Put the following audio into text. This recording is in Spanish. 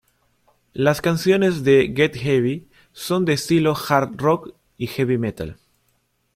Las canciones de "Get Heavy" son de estilo "hard rock" y "heavy metal".